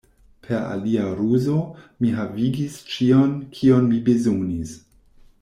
Per alia ruzo, mi havigis ĉion, kion mi bezonis.